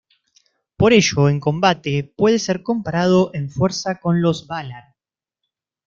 Por ello en combate puede ser comparado en fuerza con los Valar.